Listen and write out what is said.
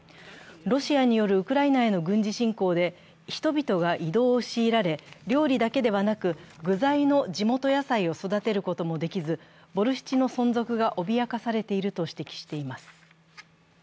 ロシアによるウクライナへの軍事侵攻で人々が移動を強いられ料理だけではなく、具材の地元野菜を育てることもできず、ボルシチの存続が脅かされていると指摘しています。